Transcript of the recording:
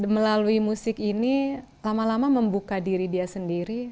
melalui musik ini lama lama membuka diri dia sendiri